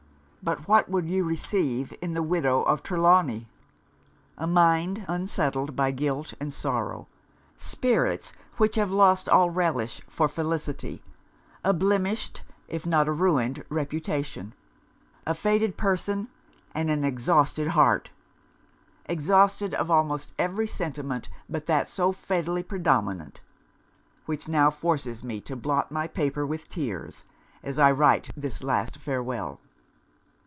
But what would you receive in the widow of Trelawny? A mind unsettled by guilt and sorrow; spirits which have lost all relish for felicity; a blemished, if not a ruined reputation, a faded person, and an exhausted heart exhausted of almost every sentiment but that so fatally predominant; which now forces me to blot my paper with tears, as I write this last farewel!